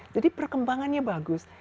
jadi perkembangannya bagus